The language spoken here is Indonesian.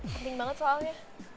penting banget soalnya